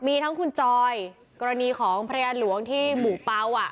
มีทั้งคุณจอยกรณีของภรรยาหลวงที่หมู่เปล่าอ่ะ